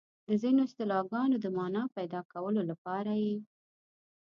د ځینو اصطلاحګانو د مانا پيدا کولو لپاره یې